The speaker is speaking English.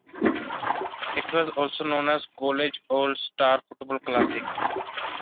It was also known as the College All-Star Football Classic.